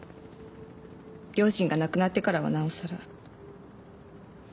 両親が亡くなってからはなおさら。